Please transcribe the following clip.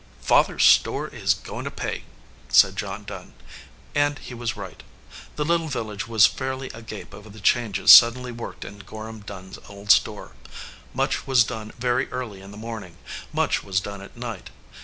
"Father s store is going to pay!" said John Dunn. And he was right. The little village was fairly agape over the changes suddenly worked in Gorham Dunn s old store. Much was done very early in the morning. Much was done at night.